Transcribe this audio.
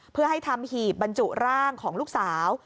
เพื่อให้ทำหีบบรรจุร่างของลูกสาว